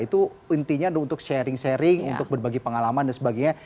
itu intinya untuk sharing sharing untuk berbagi pengalaman dan sebagainya